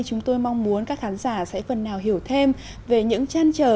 chúng tôi mong muốn các khán giả sẽ phần nào hiểu thêm về những chăn trở